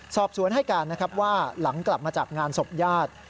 สอบสวนให้การนะครับว่าหลังกลับมาจากงานศพญาติ